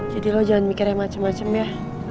jadi lo jangan mikir yang macem macem ya